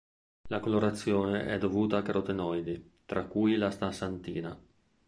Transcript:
La colorazione è dovuta a carotenoidi, tra cui l'astasantina.